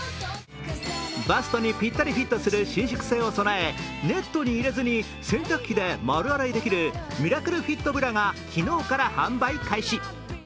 バストにぴったりフィットする伸縮性を備えネットに入れずに洗濯機で丸洗いできるミラクルフィットブラが昨日から販売開始。